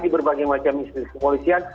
di berbagai macam institusi kepolisian